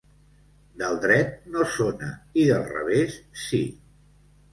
Del dret no sona i del revés sí.